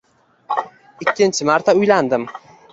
Ikkinchi marta uylandim